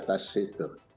di atas situ